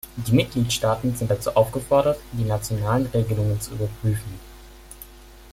Die Mitgliedsstaaten sind dazu aufgefordert, die nationalen Regelungen zu überprüfen.